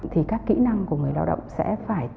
thì các kỹ năng của người lao động sẽ phải